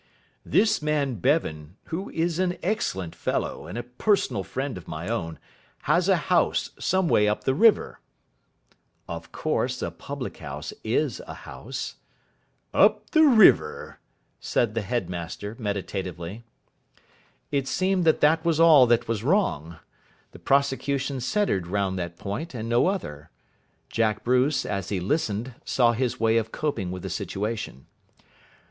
"This man Bevan, who is an excellent fellow and a personal friend of my own, has a house some way up the river." Of course a public house is a house. "Up the river," said the headmaster meditatively. It seemed that that was all that was wrong. The prosecution centred round that point, and no other. Jack Bruce, as he listened, saw his way of coping with the situation.